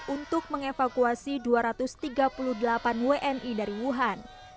untuk mengevakuasi dua ratus tiga puluh delapan wni dari wuhan